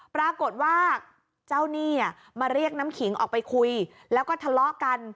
ปรากฏว่าเจ้าหนี้มาเรียกน้ำขิงออกไปคุยแล้วก็ทะเลาะกัน